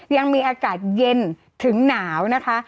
ยังมีอากาศเย็นถึงหนาวนะคะ